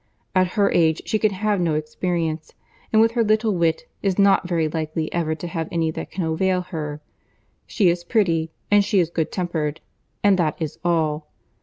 At her age she can have no experience, and with her little wit, is not very likely ever to have any that can avail her. She is pretty, and she is good tempered, and that is all.